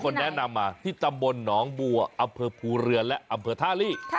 แนะนำมาที่ตำบลหนองบัวอำเภอภูเรือและอำเภอท่าลี